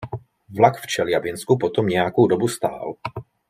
Vlak v Čeljabinsku potom nějakou dobu stál.